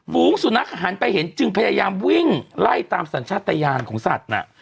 ฝูงสุนัขหันไปเห็นจึงพยายามวิ่งไล่ตามสัญชาติยานของสัตว์น่ะ